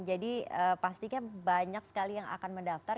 jadi pastinya banyak sekali yang akan mendaftar